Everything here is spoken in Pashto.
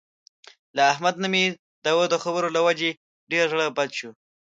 له احمد نه مې د بدو خبر له وجې ډېر زړه بد شوی.